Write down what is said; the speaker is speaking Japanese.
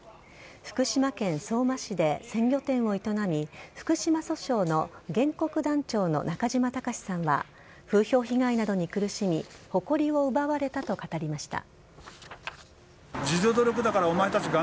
福島県相馬市で鮮魚店を営み福島訴訟の原告団長の中島孝さんは風評被害などに苦しみ誇りを奪われたと語りました。